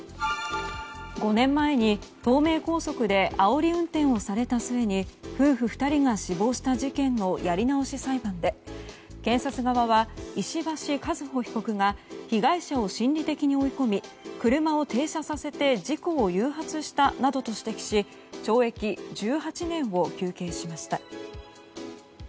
５年前に東名高速であおり運転をされた末に夫婦２人が死亡した事件のやり直し裁判で検察側は石橋和歩被告が被害者を心理的に追い込み車を停車させて事故を誘発したなどと指摘し懲役１８年を求刑しました。